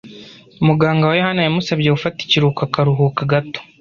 Muganga wa yohani yamusabye gufata ikiruhuko akaruhuka gato.